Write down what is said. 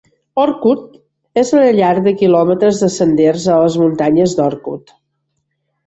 Orcutt és la llar de quilòmetres de senders a les muntanyes d'Orcutt.